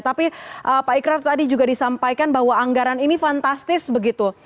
tapi pak ikraf tadi juga disampaikan bahwa anggaran ini fantastis begitu